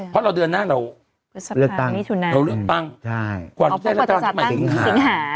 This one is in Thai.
เพราะเดือนหน้าเราเลือกตั้งกว่าเราได้รัฐบาลชุดใหม่สิงหา